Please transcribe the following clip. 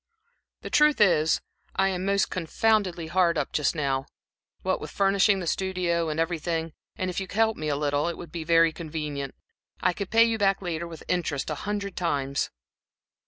"The truth is, I am most confoundedly hard up just now, what with furnishing the studio and everything, and if you could help me a little, it would be very convenient. I can pay you back later with interest a hundred times."